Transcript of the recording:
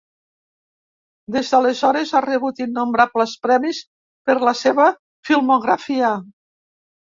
Des d'aleshores, ha rebut innombrables premis per la seva filmografia.